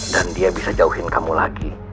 dan dia bisa jauhin kamu lagi